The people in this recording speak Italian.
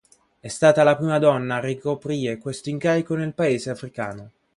È stata la prima donna a ricoprire questo incarico nel Paese africano.